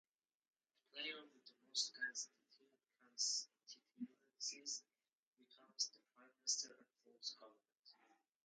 The player with the most constituencies becomes the Prime Minister and forms the government.